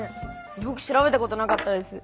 よく調べたことなかったです。